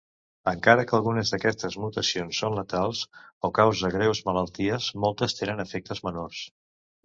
Encara que algunes d'aquestes mutacions són letals, o cause greus malalties, moltes tenen efectes menors.